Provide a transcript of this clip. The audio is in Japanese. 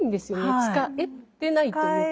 使えてないというか。